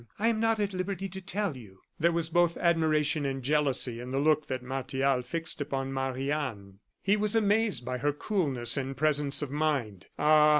"I am not at liberty to tell you." There was both admiration and jealousy in the look that Martial fixed upon Marie Anne. He was amazed by her coolness and presence of mind. Ah!